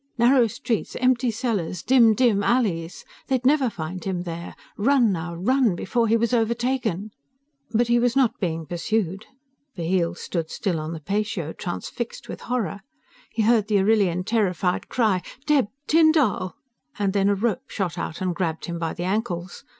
Narrow streets, empty cellars, dim, dim alleys. They'd never find him there! Run now, run before he was overtaken! But he was not being pursued. Bheel still stood on the patio, transfixed with horror. He heard the Arrillian's terrified cry "Dheb Tyn Dall...!" And then a rope shot out and grabbed him by the ankles.